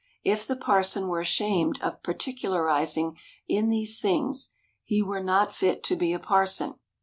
If the parson were ashamed of particularizing in these things, he were not fit to be a parson.